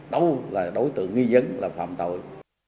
đâu là đối tượng nghi dấn là phạm tội